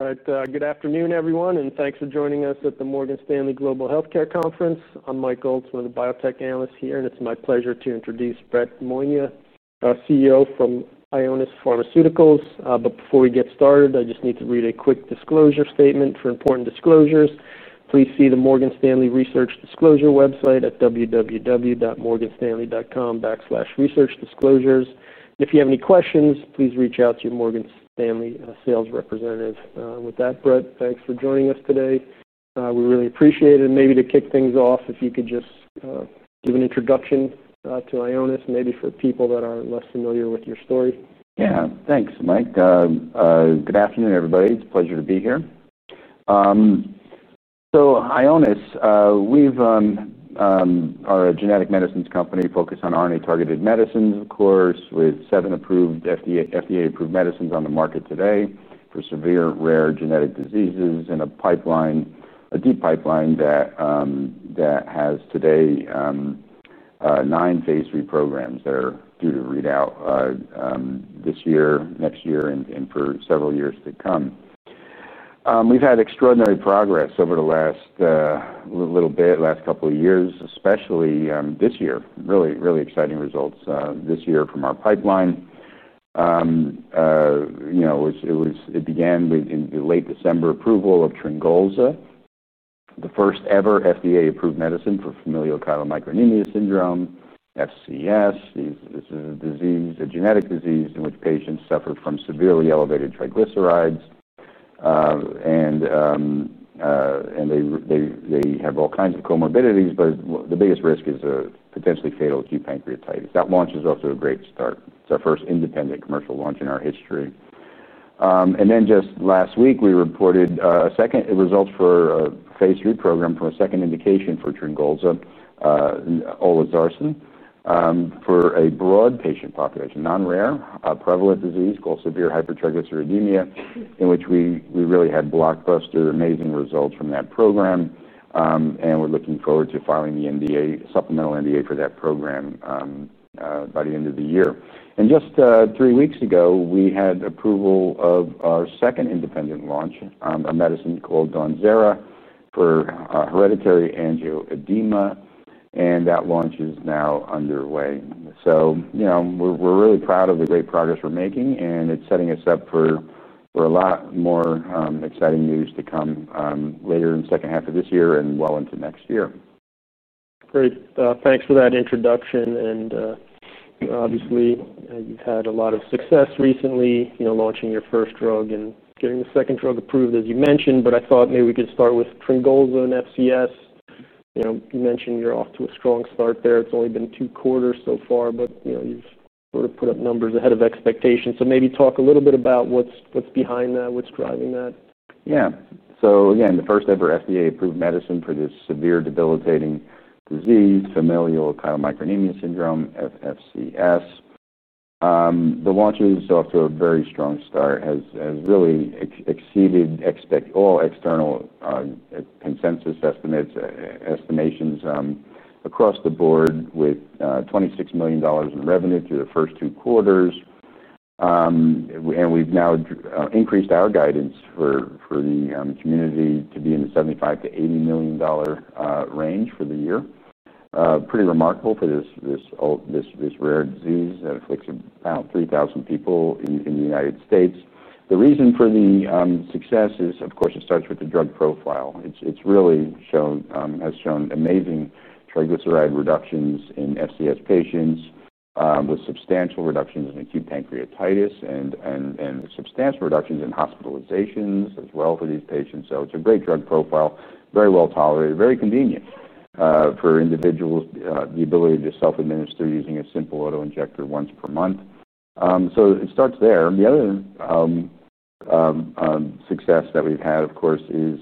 Good afternoon, everyone, and thanks for joining us at the Morgan Stanley Global Health Care Conference. I'm Mike Goldsmith, a biotech analyst here, and it's my pleasure to introduce Brett Monia, our CEO from Ionis Pharmaceuticals. Before we get started, I just need to read a quick disclosure statement for important disclosures. Please see the Morgan Stanley Research Disclosure website at www.morganstanley.com/researchdisclosures. If you have any questions, please reach out to your Morgan Stanley sales representative. With that, Brett, thanks for joining us today. We really appreciate it. Maybe to kick things off, if you could just give an introduction to Ionis, maybe for people that are less familiar with your story. Yeah, thanks, Mike. Good afternoon, everybody. It's a pleasure to be here. Ionis, we are a genetic medicines company focused on RNA-targeted medicines, of course, with seven FDA-approved medicines on the market today for severe rare genetic diseases and a pipeline, a deep pipeline that has today nine phase 3 programs that are due to read out this year, next year, and for several years to come. We've had extraordinary progress over the last little bit, last couple of years, especially this year. Really, really exciting results this year from our pipeline, which began with the late December approval of Tringolza, the first ever FDA-approved medicine for familial chylomicronemia syndrome, FCS. This is a genetic disease in which patients suffer from severely elevated triglycerides. They have all kinds of comorbidities, but the biggest risk is the potentially fatal acute pancreatitis. That launch is off to a great start. It's our first independent commercial launch in our history. Just last week, we reported a second result for a phase 3 program for a second indication for Tringolza, Olzarsen, for a broad patient population, non-rare, prevalent disease called severe hypertriglyceridemia, in which we really had blockbuster, amazing results from that program. We're looking forward to filing the supplemental NDA for that program by the end of the year. Just three weeks ago, we had approval of our second independent launch on a medicine called Donzera for hereditary angioedema. That launch is now underway. We're really proud of the great progress we're making, and it's setting us up for a lot more exciting news to come later in the second half of this year and well into next year. Great. Thanks for that introduction. Obviously, you've had a lot of success recently, launching your first drug and getting the second drug approved, as you mentioned. I thought maybe we could start with Tringolza and FCS. You mentioned you're off to a strong start there. It's only been two quarters so far, but you've put up numbers ahead of expectations. Maybe talk a little bit about what's behind that, what's driving that. Yeah. Again, the first ever FDA-approved medicine for this severe debilitating disease, familial chylomicronemia syndrome, FCS. The launch is off to a very strong start. It has really exceeded all external consensus estimations across the board with $26 million in revenue through the first two quarters. We've now increased our guidance for the community to be in the $75 to $80 million range for the year. Pretty remarkable for this rare disease that affects about 3,000 people in the U.S. The reason for the success is, of course, it starts with the drug profile. It's really shown, has shown amazing triglyceride reductions in FCS patients with substantial reductions in acute pancreatitis and substantial reductions in hospitalizations as well for these patients. It's a great drug profile, very well tolerated, very convenient for individuals, the ability to self-administer using a simple autoinjector once per month. It starts there. The other success that we've had, of course, is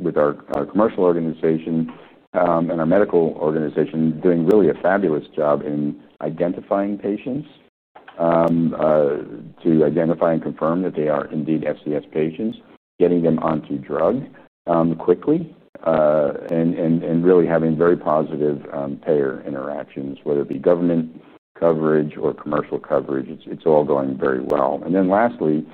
with our commercial organization and our medical organization doing really a fabulous job in identifying patients to identify and confirm that they are indeed FCS patients, getting them onto drug quickly, and really having very positive payer interactions, whether it be government coverage or commercial coverage. It's all going very well. Lastly,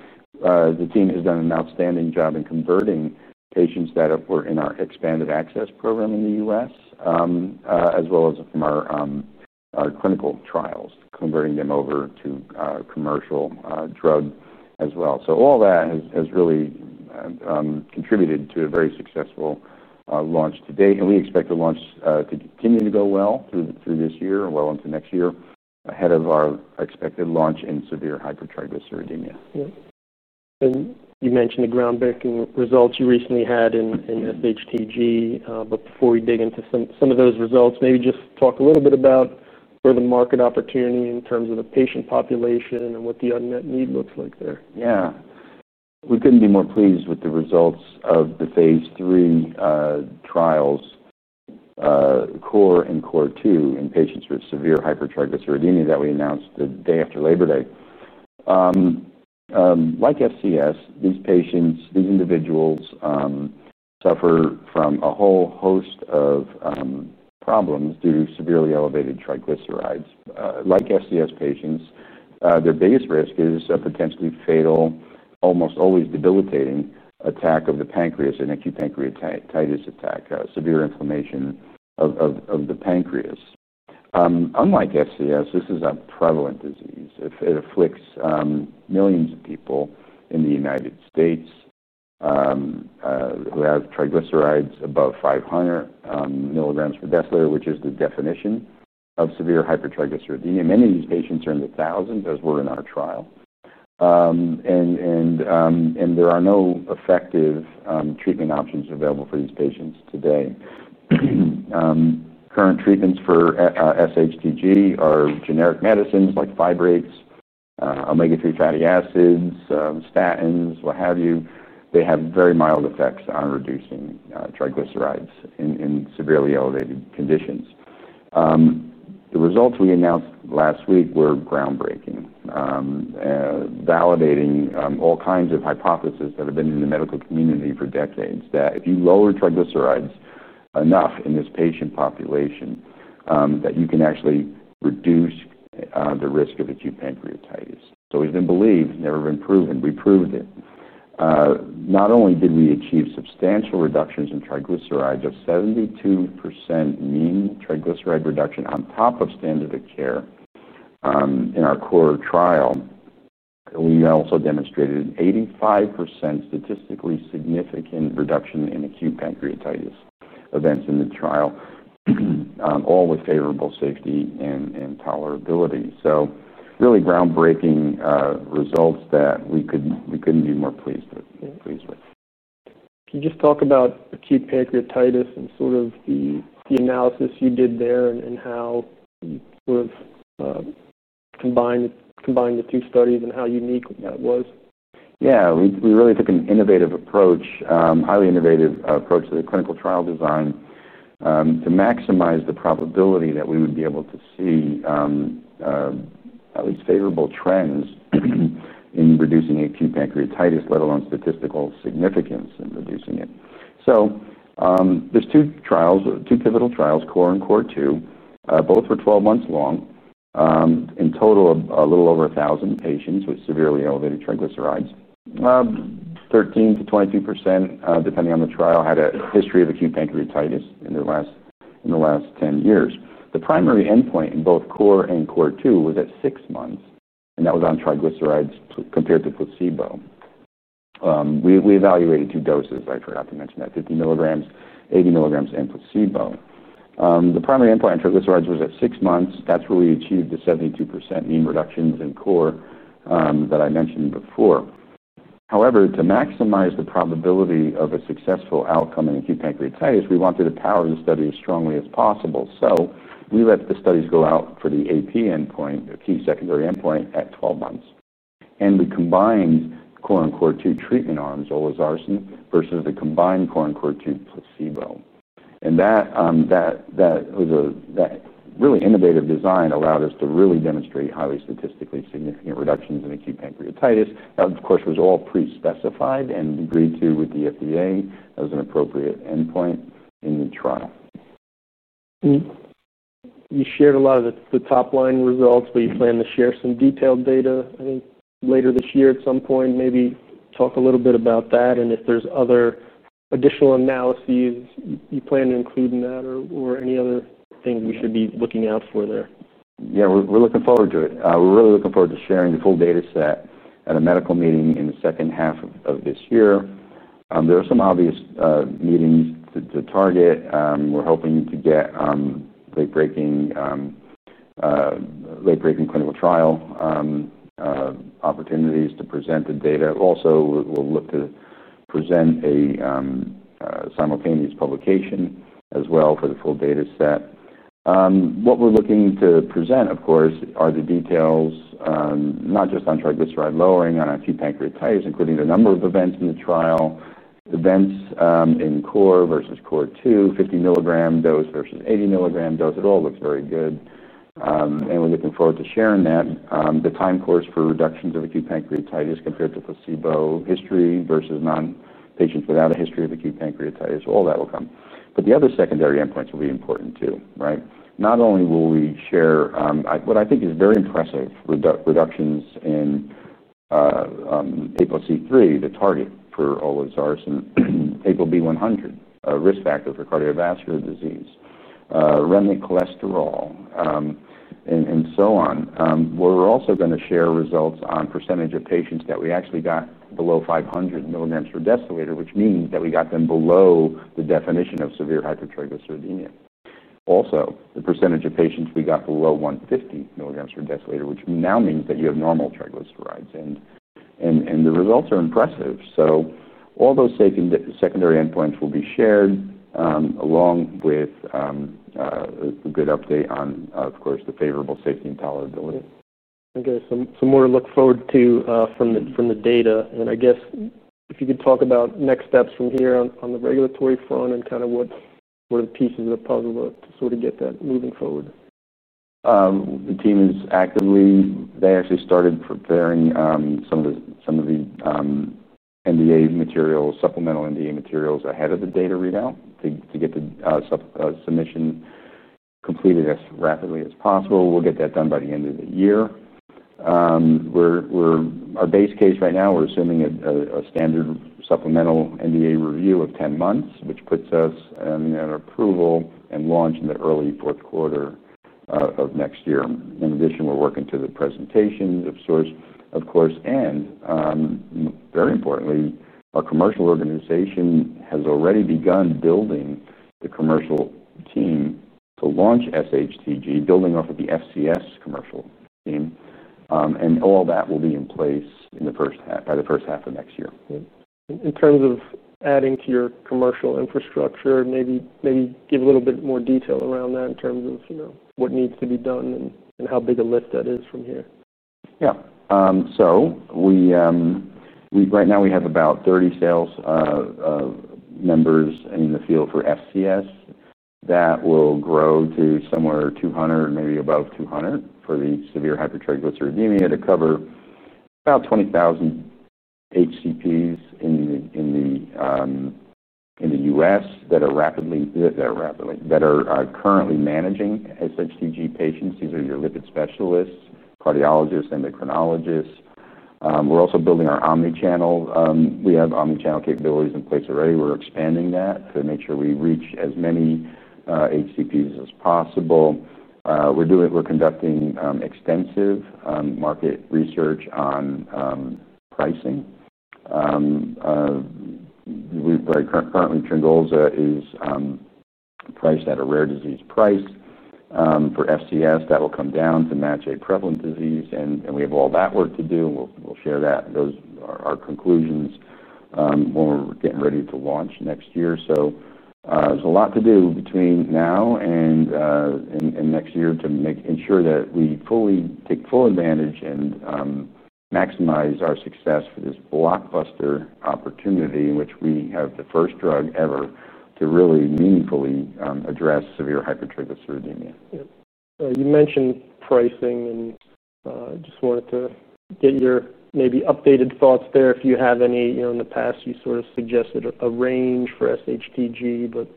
the team has done an outstanding job in converting patients that were in our expanded access program in the U.S., as well as from our clinical trials, converting them over to commercial drug as well. All that has really contributed to a very successful launch to date. We expect the launch to continue to go well through this year, well into next year, ahead of our expected launch in severe hypertriglyceridemia. Yeah. You mentioned the groundbreaking results you recently had in SHTG. Before we dig into some of those results, maybe just talk a little bit about where the market opportunity is in terms of the patient population and what the unmet need looks like there. Yeah. We couldn't be more pleased with the results of the phase 3 trials, CORE and CORE2, in patients with severe hypertriglyceridemia that we announced the day after Labor Day. Like FCS, these patients, these individuals suffer from a whole host of problems due to severely elevated triglycerides. Like FCS patients, their biggest risk is a potentially fatal, almost always debilitating attack of the pancreas, an acute pancreatitis attack, severe inflammation of the pancreas. Unlike FCS, this is a prevalent disease. It affects millions of people in the U.S. who have triglycerides above 500 milligrams per deciliter, which is the definition of severe hypertriglyceridemia. Many of these patients are in the thousands as were in our trial. There are no effective treatment options available for these patients today. Current treatments for FHTG are generic medicines like fibrates, omega-3 fatty acids, statins, what have you. They have very mild effects on reducing triglycerides in severely elevated conditions. The results we announced last week were groundbreaking, validating all kinds of hypotheses that have been in the medical community for decades that if you lower triglycerides enough in this patient population, you can actually reduce the risk of acute pancreatitis. It's been believed, never been proven. We proved it. Not only did we achieve substantial reductions in triglycerides, a 72% mean triglyceride reduction on top of standard of care in our CORE trial, we also demonstrated an 85% statistically significant reduction in acute pancreatitis events in the trial, all with favorable safety and tolerability. Really groundbreaking results that we couldn't be more pleased with. Can you just talk about acute pancreatitis and the analysis you did there and how you would have combined the two studies and how unique that was? Yeah. We really took an innovative approach, a highly innovative approach to the clinical trial design to maximize the probability that we would be able to see at least favorable trends in reducing acute pancreatitis, let alone statistical significance in reducing it. There are two pivotal trials, CORE and CORE2. Both were 12 months long. In total, a little over 1,000 patients with severely elevated triglycerides. 13% to 22%, depending on the trial, had a history of acute pancreatitis in the last 10 years. The primary endpoint in both CORE and CORE2 was at six months, and that was on triglycerides compared to placebo. We evaluated two doses, but I forgot to mention that: 50 milligrams, 80 milligrams, and placebo. The primary endpoint on triglycerides was at six months. That's where we achieved the 72% mean reductions in CORE that I mentioned before. However, to maximize the probability of a successful outcome in acute pancreatitis, we wanted to power the study as strongly as possible. We let the studies go out for the AP endpoint, the key secondary endpoint, at 12 months. We combined CORE and CORE2 treatment arms, Olzarsen, versus the combined CORE and CORE2 placebo. That really innovative design allowed us to really demonstrate highly statistically significant reductions in acute pancreatitis. That, of course, was all pre-specified and agreed to with the U.S. Food and Drug Administration. That was an appropriate endpoint in the trial. You shared a lot of the top-line results, but you plan to share some detailed data, I think, later this year at some point. Maybe talk a little bit about that. If there's other additional analyses you plan to include in that or any other things we should be looking out for there. Yeah, we're looking forward to it. We're really looking forward to sharing the full data set at a medical meeting in the second half of this year. There are some obvious meetings to target. We're hoping to get late-breaking clinical trial opportunities to present the data. Also, we'll look to present a simultaneous publication as well for the full data set. What we're looking to present, of course, are the details, not just on triglyceride lowering, on acute pancreatitis, including the number of events in the trial, events in CORE versus CORE2, 50 milligram dose versus 80 milligram dose. It all looks very good, and we're looking forward to sharing that. The time course for reductions of acute pancreatitis compared to placebo, history versus non-patients without a history of acute pancreatitis, all that will come. The other secondary endpoints will be important too, right? Not only will we share what I think is very impressive, reductions in APOC3, the target for Olzarsen, APOB100, a risk factor for cardiovascular disease, REML cholesterol, and so on. We're also going to share results on % of patients that we actually got below 500 milligrams per deciliter, which means that we got them below the definition of severe hypertriglyceridemia. Also, the % of patients we got below 150 milligrams per deciliter, which now means that you have normal triglycerides. The results are impressive. All those secondary endpoints will be shared along with a good update on, of course, the favorable safety and tolerability. I guess there's more to look forward to from the data. If you could talk about next steps from here on the regulatory front and what are the pieces of the puzzle to get that moving forward. The team is actively, they actually started preparing some of the NDA materials, supplemental NDA materials ahead of the data readout to get the submission completed as rapidly as possible. We'll get that done by the end of the year. Our base case right now, we're assuming a standard supplemental NDA review of 10 months, which puts us in an approval and launch in the early fourth quarter of next year. In addition, we're working to the presentation, of course. Very importantly, our commercial organization has already begun building the commercial team to launch SHTG, building off of the FCS commercial team. All that will be in place by the first half of next year. In terms of adding to your commercial infrastructure, maybe give a little bit more detail around that in terms of what needs to be done and how big a lift that is from here. Yeah. Right now, we have about 30 sales members in the field for FCS. That will grow to somewhere around 200, maybe above 200, for the severe hypertriglyceridemia to cover about 20,000 HCPs in the U.S. that are currently managing SHTG patients. These are your lipid specialists, cardiologists, endocrinologists. We're also building our omnichannel. We have omnichannel capabilities in place already. We're expanding that to make sure we reach as many HCPs as possible. We're conducting extensive market research on pricing. Currently, Tringolza is priced at a rare disease price for FCS. That will come down to match a prevalent disease, and we have all that work to do. We'll share those conclusions when we're getting ready to launch next year. There's a lot to do between now and next year to ensure that we fully take full advantage and maximize our success for this blockbuster opportunity in which we have the first drug ever to really meaningfully address severe hypertriglyceridemia. Yeah. You mentioned pricing, and I just wanted to get your maybe updated thoughts there if you have any. In the past, you sort of suggested a range for SHTG, but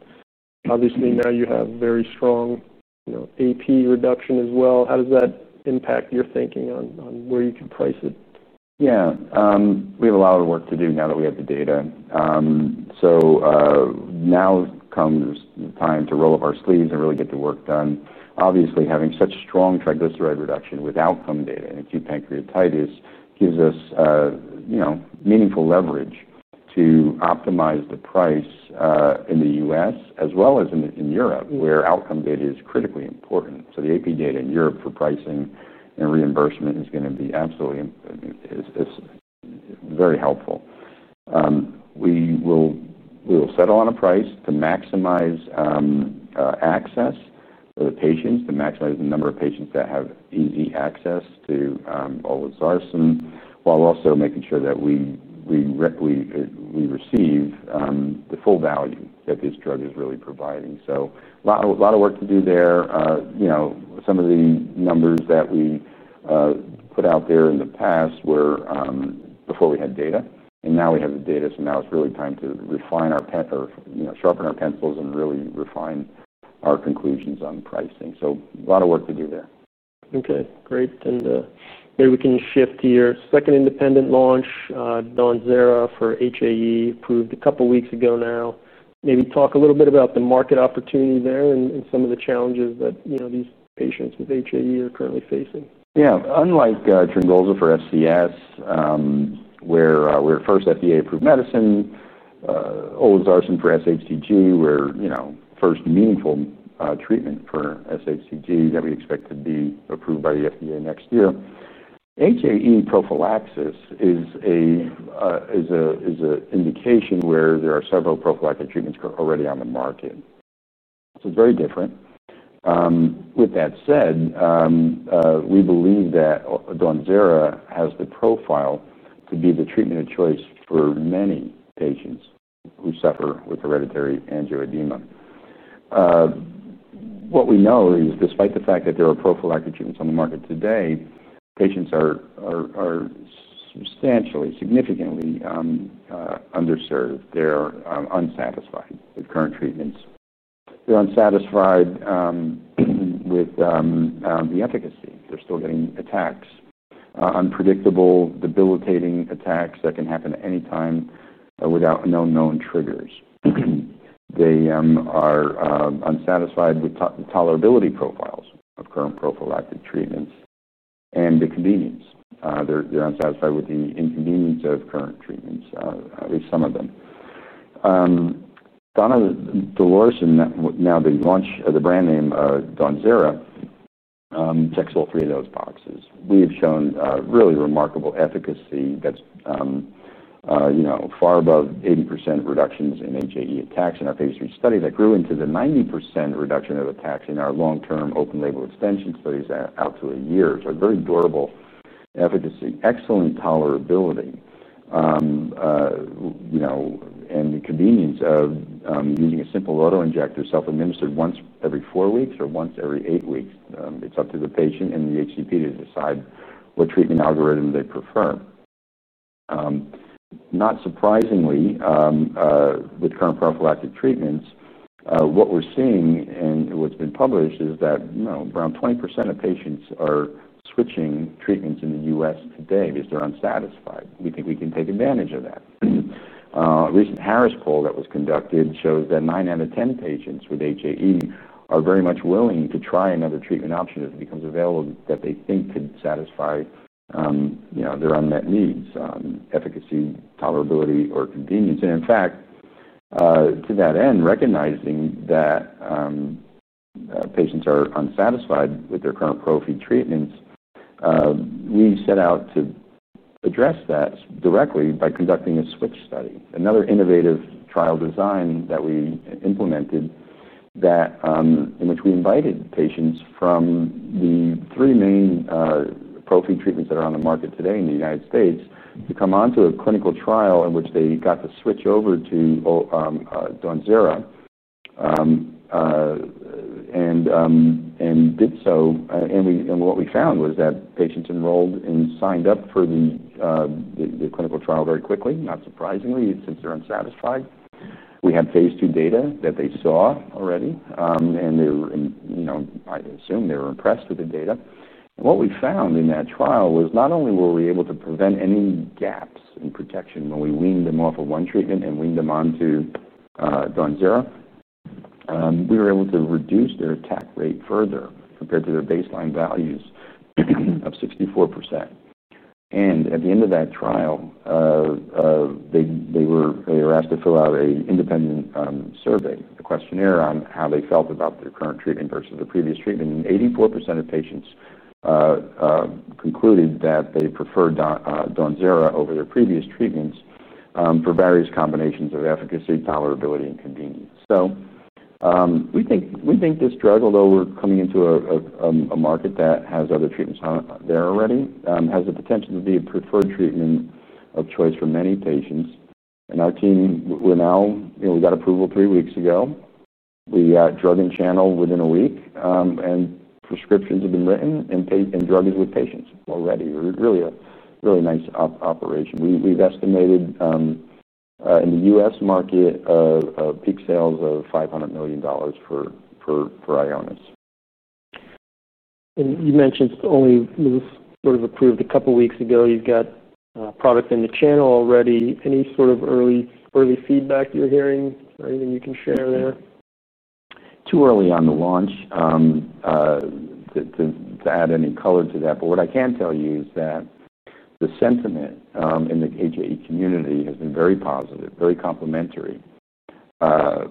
obviously, now you have very strong AP reduction as well. How does that impact your thinking on where you can price it? Yeah. We have a lot of work to do now that we have the data. Now comes the time to roll up our sleeves and really get the work done. Obviously, having such strong triglyceride reduction with outcome data in acute pancreatitis gives us meaningful leverage to optimize the price in the U.S. as well as in Europe where outcome data is critically important. The AP data in Europe for pricing and reimbursement is going to be absolutely very helpful. We will settle on a price to maximize access for the patients, to maximize the number of patients that have easy access to Olzarsen, while also making sure that we receive the full value that this drug is really providing. A lot of work to do there. Some of the numbers that we put out there in the past were before we had data. Now we have the data, so now it's really time to refine our pen, or sharpen our pencils and really refine our conclusions on pricing. A lot of work to do there. Okay. Great. Maybe we can shift to your second independent launch, Donzera for HAE, approved a couple of weeks ago now. Maybe talk a little bit about the market opportunity there and some of the challenges that these patients with HAE are currently facing. Yeah. Unlike Tringolza for FCS, where we're the first FDA-approved medicine, Olzarsen for SHTG, we're the first meaningful treatment for SHTG that we expect to be approved by the FDA next year. HAE prophylaxis is an indication where there are several prophylactic treatments already on the market. It is very different. With that said, we believe that Donzera has the profile to be the treatment of choice for many patients who suffer with hereditary angioedema. What we know is, despite the fact that there are prophylactic treatments on the market today, patients are substantially, significantly underserved. They're unsatisfied with current treatments. They're unsatisfied with the efficacy. They're still getting attacks, unpredictable, debilitating attacks that can happen anytime without any known triggers. They are unsatisfied with the tolerability profiles of current prophylactic treatments and the convenience. They're unsatisfied with the inconvenience of current treatments, at least some of them. Donzera, now the launch of the brand name Donzera, checks all three of those boxes. We have shown really remarkable efficacy that's far above 80% reductions in HAE attacks in our phase 3 study that grew into the 90% reduction of attacks in our long-term open-label extension studies out to a year. Very durable efficacy, excellent tolerability, and the convenience of using a simple autoinjector self-administered once every four weeks or once every eight weeks. It's up to the patient and the HCP to decide what treatment algorithm they prefer. Not surprisingly, with current prophylactic treatments, what we're seeing and what's been published is that around 20% of patients are switching treatments in the U.S. today because they're unsatisfied. We think we can take advantage of that. A recent Harris poll that was conducted showed that 9 out of 10 patients with HAE are very much willing to try another treatment option if it becomes available that they think could satisfy their unmet needs: efficacy, tolerability, or convenience. In fact, to that end, recognizing that patients are unsatisfied with their current prophy treatments, we set out to address that directly by conducting a switch study, another innovative trial design that we implemented. We invited patients from the three main prophy treatments that are on the market today in the U.S. to come onto a clinical trial in which they got to switch over to Donzera and did so. What we found was that patients enrolled and signed up for the clinical trial very quickly, not surprisingly, since they're unsatisfied. We had phase 2 data that they saw already, and I assume they were impressed with the data. What we found in that trial was not only were we able to prevent any gaps in protection when we weaned them off of one treatment and weaned them onto Donzera, we were able to reduce their attack rate further compared to their baseline values of 64%. At the end of that trial, they were asked to fill out an independent survey, a questionnaire on how they felt about their current treatment versus the previous treatment. 84% of patients concluded that they preferred Donzera over their previous treatments for various combinations of efficacy, tolerability, and convenience. We think this drug, although we're coming into a market that has other treatments there already, has the potential to be a preferred treatment of choice for many patients. Our team, we got approval three weeks ago. We got drug in channel within a week, and prescriptions have been written and drug is with patients already. Really a really nice operation. We've estimated in the U.S. market peak sales of $500 million for Ionis. You mentioned only sort of approved a couple of weeks ago. You've got a product in the channel already. Any sort of early feedback you're hearing that you can share there? too early on the launch to add any color to that. What I can tell you is that the sentiment in the HAE community has been very positive, very complimentary.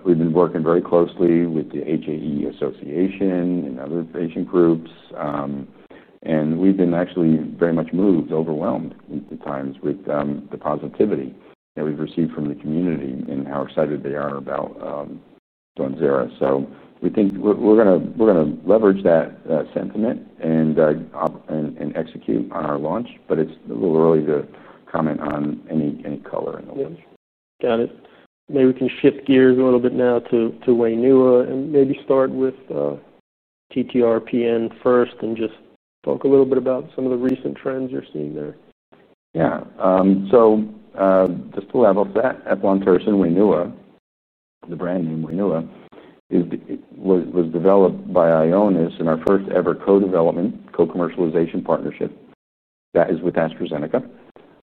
We've been working very closely with the HAE Association and other patient groups. We've been actually very much moved, overwhelmed at times with the positivity that we've received from the community and how excited they are about Donzera. We think we're going to leverage that sentiment and execute on our launch, but it's a little early to comment on any color in the launch. Got it. Maybe we can shift gears a little bit now to Waynua, and maybe start with TTRPN first and just talk a little bit about some of the recent trends you're seeing there. Yeah. Just to level up to that, Waynua, the brand name Waynua, was developed by Ionis in our first-ever co-development, co-commercialization partnership that is with AstraZeneca.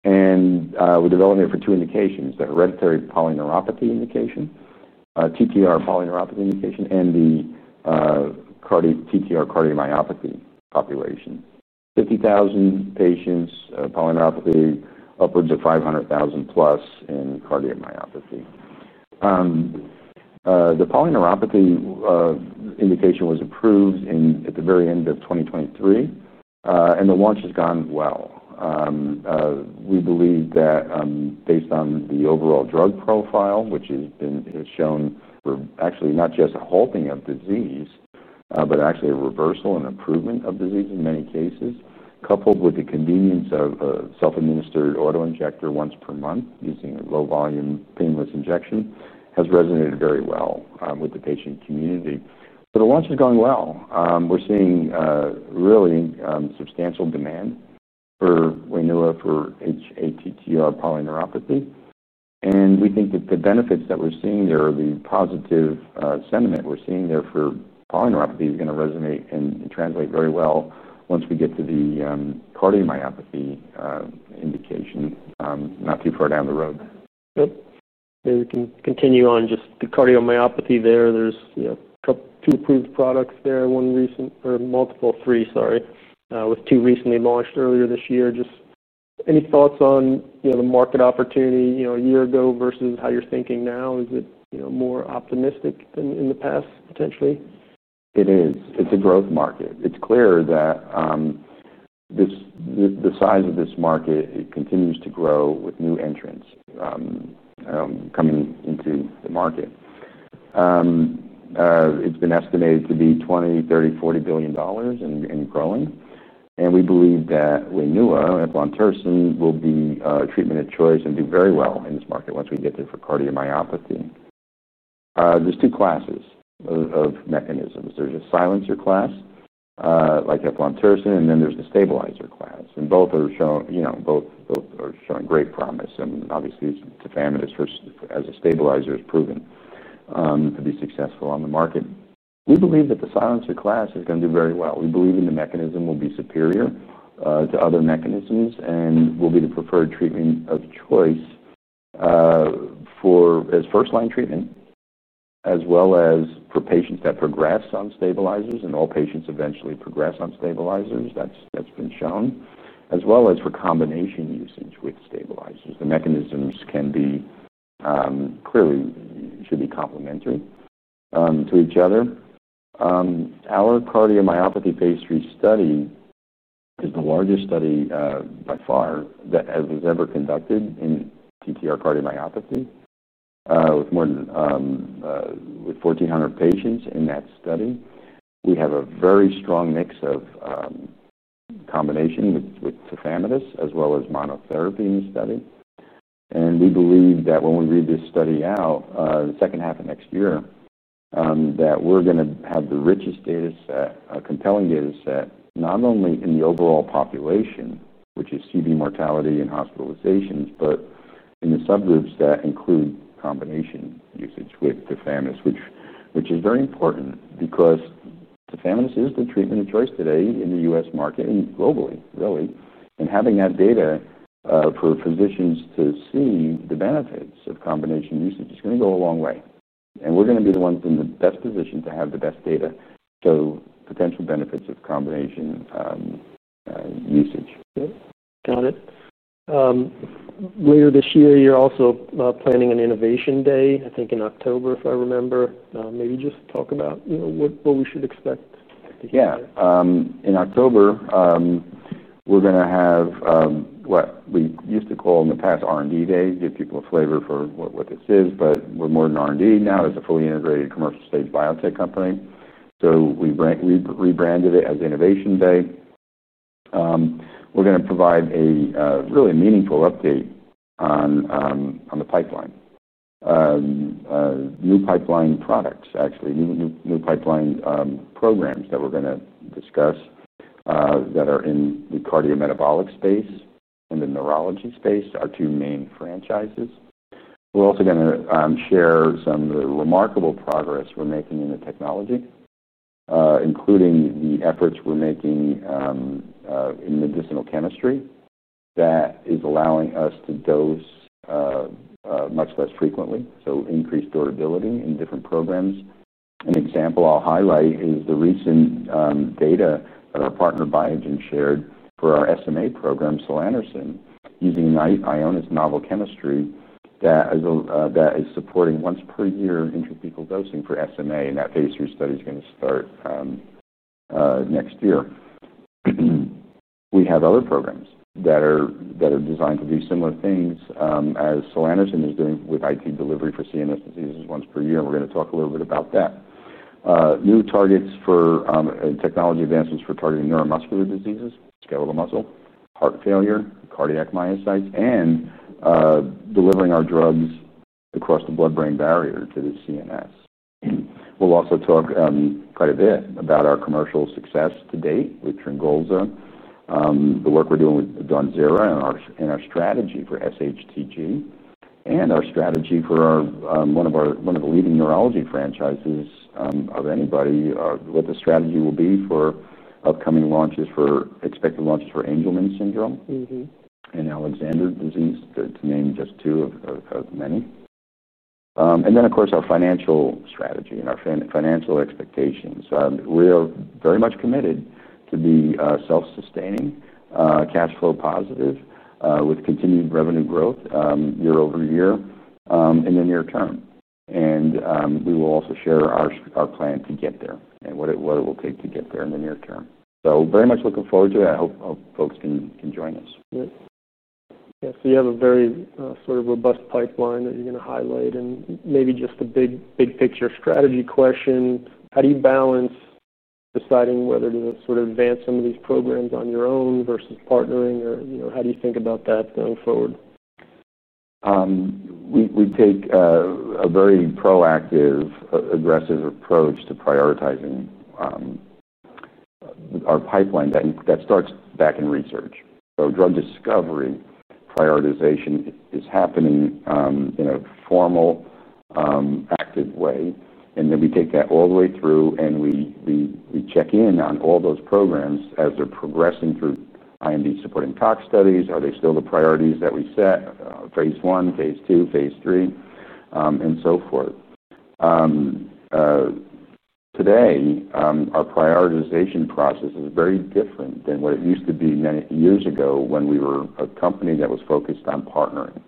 We're developing it for two indications: the hereditary polyneuropathy indication, TTR polyneuropathy indication, and the TTR cardiomyopathy population. 50,000 patients polyneuropathy, upwards of 500,000 plus in cardiomyopathy. The polyneuropathy indication was approved at the very end of 2023, and the launch has gone well. We believe that based on the overall drug profile, which has been shown, we're actually not just halting of disease, but actually a reversal and improvement of disease in many cases, coupled with the convenience of a self-administered autoinjector once per month using a low-volume painless injection, has resonated very well with the patient community. The launch is going well. We're seeing really substantial demand for Waynua for hATTR polyneuropathy. We think that the benefits that we're seeing there, the positive sentiment we're seeing there for polyneuropathy is going to resonate and translate very well once we get to the cardiomyopathy indication, not too far down the road. Maybe we can continue on just the cardiomyopathy there. There are a couple, two approved products there, one recent or multiple, three, sorry, with two recently launched earlier this year. Just any thoughts on the market opportunity a year ago versus how you're thinking now? Is it more optimistic than in the past, potentially? It is. It's a growth market. It's clear that the size of this market continues to grow with new entrants coming into the market. It's been estimated to be $20, $30, $40 billion and growing. We believe that Waynua, eplontersen, will be a treatment of choice and do very well in this market once we get there for cardiomyopathy. There are two classes of mechanisms. There's a silencer class, like eplontersen, and then there's the stabilizer class. Both have shown great promise. Obviously, Tafamidis as a stabilizer is proven to be successful on the market. We believe that the silencer class is going to do very well. We believe the mechanism will be superior to other mechanisms and will be the preferred treatment of choice as first-line treatment, as well as for patients that progress on stabilizers. All patients eventually progress on stabilizers. That's been shown, as well as for combination usage with stabilizers. The mechanisms can be, and should be, complementary to each other. Our cardiomyopathy phase 3 study is the largest study by far that we've ever conducted in TTR cardiomyopathy, with more than 1,400 patients in that study. We have a very strong mix of combination with Tafamidis, as well as monotherapy in the study. We believe that when we read this study out the second half of next year, we're going to have the richest data set, a compelling data set, not only in the overall population, which is CV mortality and hospitalizations, but in the subgroups that include combination usage with Tafamidis, which is very important because Tafamidis is the treatment of choice today in the U.S. market and globally, really. Having that data for physicians to see the benefits of combination usage is going to go a long way. We're going to be the ones in the best position to have the best data show potential benefits of combination usage. Got it. Later this year, you're also planning an Innovation Day, I think in October, if I remember. Maybe just talk about what we should expect to hear. Yeah. In October, we're going to have what we used to call in the past R&D Days, give people a flavor for what this is, but we're more than R&D. Now it's a fully integrated commercial-stage biotech company. We rebranded it as Innovation Day. We're going to provide a really meaningful update on the pipeline, new pipeline products, actually, new pipeline programs that we're going to discuss that are in the cardiometabolic space and the neurology space, our two main franchises. We're also going to share some of the remarkable progress we're making in the technology, including the efforts we're making in medicinal chemistry that is allowing us to dose much less frequently, so increased durability in different programs. An example I'll highlight is the recent data that our partner Biogen shared for our SMA program, Solanderson, using Ionis' novel chemistry that is supporting once per year intrathecal dosing for SMA. That phase 3 study is going to start next year. We have other programs that are designed to do similar things as Solanderson is doing with IT delivery for CNS diseases once per year. We're going to talk a little bit about that. New targets for technology advancements for targeting neuromuscular diseases, skeletal muscle, heart failure, cardiac myocytes, and delivering our drugs across the blood-brain barrier to the CNS. We'll also talk quite a bit about our commercial success to date with Tringolza, the work we're doing with Donzera and our strategy for SHTG and our strategy for one of our one of the leading neurology franchises of anybody, what the strategy will be for upcoming launches for expected launches for Angelman syndrome and Alexander disease, to name just two of many. Of course, our financial strategy and our financial expectations. We are very much committed to be self-sustaining, cash flow positive with continued revenue growth year over year in the near term. We will also share our plan to get there and what it will take to get there in the near term. Very much looking forward to it. I hope folks can join us. You have a very sort of robust pipeline that you're going to highlight. Maybe just a big picture strategy question. How do you balance deciding whether to sort of advance some of these programs on your own versus partnering? You know, how do you think about that going forward? We take a very proactive, aggressive approach to prioritizing our pipeline that starts back in research. Drug discovery prioritization is happening in a formal, active way. We take that all the way through, and we check in on all those programs as they're progressing through IND supporting tox studies. Are they still the priorities that we set? Phase one, phase two, phase three, and so forth. Today, our prioritization process is very different than what it used to be many years ago when we were a company that was focused on partnering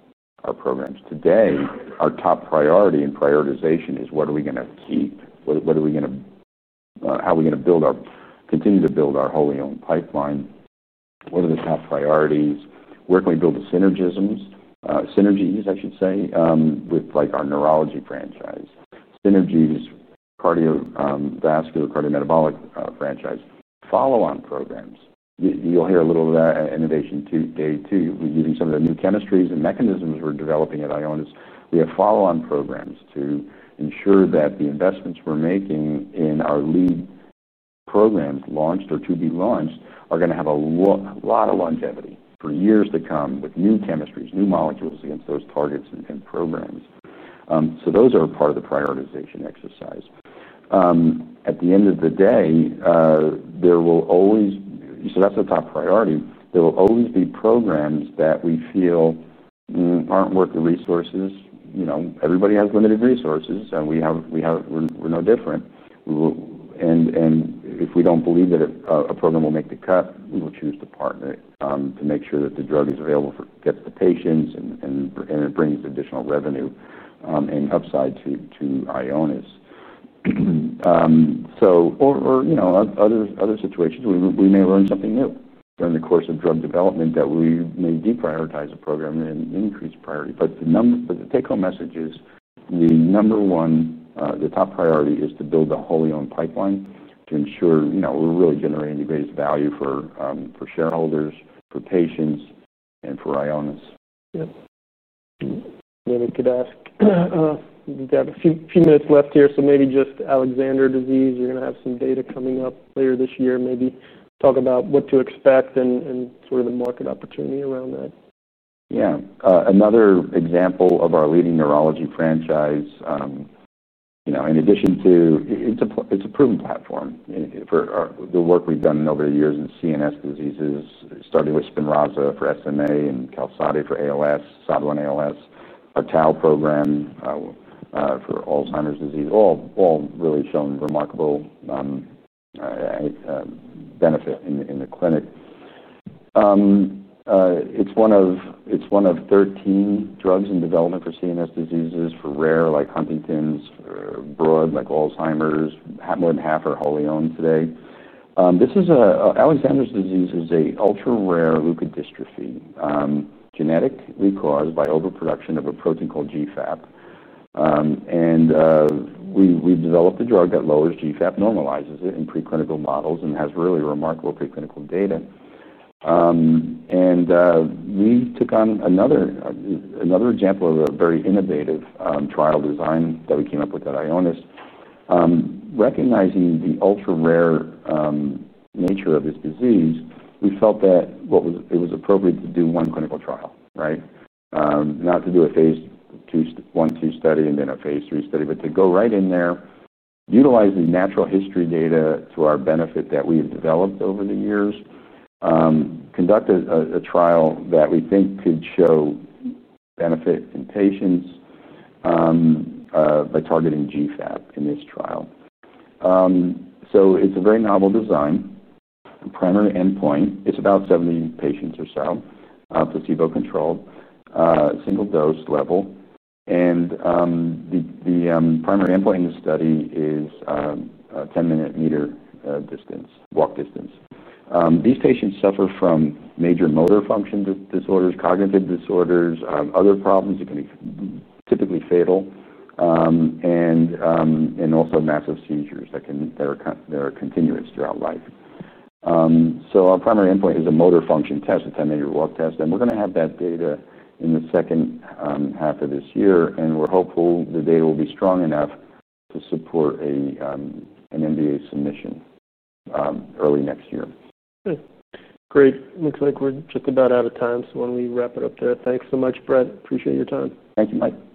our programs. Today, our top priority in prioritization is what are we going to keep? How are we going to build our, continue to build our wholly owned pipeline? What are the top priorities? Where can we build the synergisms, synergies, I should say, with like our neurology franchise, synergies, vascular cardiometabolic franchise, follow-on programs? You'll hear a little of that at Innovation Day too. We're using some of the new chemistries and mechanisms we're developing at Ionis. We have follow-on programs to ensure that the investments we're making in our lead program launched or to be launched are going to have a lot of longevity for years to come with new chemistries, new molecules against those targets and programs. Those are a part of the prioritization exercise. At the end of the day, there will always be programs that we feel aren't worth the resources. Everybody has limited resources, and we have, we're no different. If we don't believe that a program will make the cut, we will choose to partner to make sure that the drug is available for the patients and brings additional revenue and upside to Ionis. In other situations, we may learn something new during the course of drug development that we may deprioritize a program and increase priority. The take-home message is the number one, the top priority is to build a wholly owned pipeline to ensure we're really generating the greatest value for shareholders, for patients, and for Ionis. Yes. If you could ask, we've got a few minutes left here. Maybe just Alexander disease, you're going to have some data coming up later this year. Maybe talk about what to expect and sort of the market opportunity around that. Yeah. Another example of our leading neurology franchise, you know, in addition to, it's a proven platform for the work we've done over the years in CNS diseases. It started with Spinraza for SMA and Calcade for ALS, SOD1 ALS, a Tau program for Alzheimer's disease, all really shown remarkable benefit in the clinic. It's one of 13 drugs in development for CNS diseases for rare, like Huntington's, broad, like Alzheimer's, more than half are wholly owned today. This is Alexander's disease, is an ultra-rare leukodystrophy genetically caused by overproduction of a protein called GFAP. We've developed a drug that lowers GFAP, normalizes it in preclinical models, and has really remarkable preclinical data. We took on another example of a very innovative trial design that we came up with at Ionis. Recognizing the ultra-rare nature of this disease, we felt that it was appropriate to do one clinical trial, right? Not to do a phase 1, 2 study and then a phase 3 study, but to go right in there, utilize the natural history data to our benefit that we've developed over the years, conduct a trial that we think could show benefit in patients by targeting GFAP in this trial. It's a very novel design. The primary endpoint, it's about 70 patients or so, placebo controlled, single dose level. The primary endpoint in the study is a 10-minute meter distance, walk distance. These patients suffer from major motor function disorders, cognitive disorders, other problems that can be typically fatal, and also massive seizures that are continuous throughout life. Our primary endpoint is a motor function test, a 10-minute walk test. We're going to have that data in the second half of this year. We're hopeful the data will be strong enough to support an NDA submission early next year. Great. Looks like we're just about out of time. When we wrap it up there, thanks so much, Brett. Appreciate your time. Thank you, Mike.